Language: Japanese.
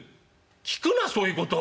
「聞くなそういうこと。